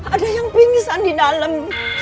ada yang pingsan di dalam